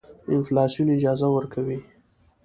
انفلاسیون اجازه ورکوي.